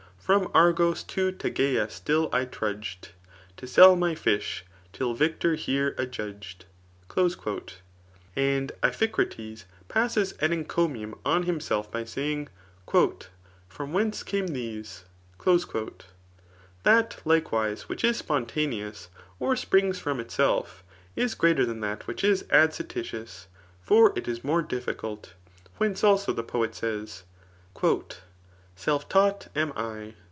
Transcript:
From Argos to Tegea still I trudgM, To sell my fish, till victor here adjudged. And Ipfaiczates passes an encoouum on himself by si^ing^ From whence came these ? That, likewise, which is spontaneous, or springs frott itself, is greater than that whidi is adscititbus ; fin* it is more difficult : whence also the poet says, adf*caught ami.'